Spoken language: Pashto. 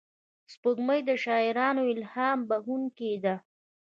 سپوږمۍ د شاعرانو الهام بښونکې ده